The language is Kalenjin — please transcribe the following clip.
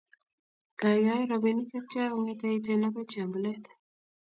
Gaigai, robinik chetyaa kongete iten agoi chembulet